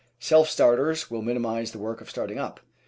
Self starters will minimise the work of starting up.